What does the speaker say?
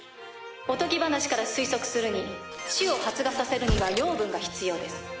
おとぎ話から推測するに種を発芽させるにはヨウブンが必要です。